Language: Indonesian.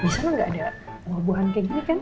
disana gak ada buah buahan kayak gini kan